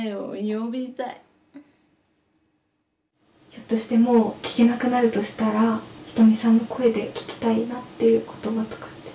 ひょっとしてもう聞けなくなるとしたら仁美さんの声で聞きたいなっていう言葉とかって？